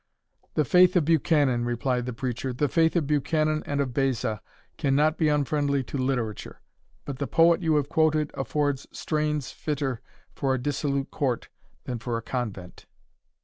"The faith of Buchanan," replied the preacher, "the faith of Buchanan and of Beza, cannot be unfriendly to literature. But the poet you have quoted affords strains fitter for a dissolute court than for a convent."